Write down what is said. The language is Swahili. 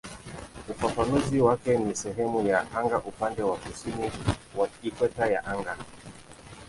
Ufafanuzi wake ni "sehemu ya anga upande wa kusini wa ikweta ya anga".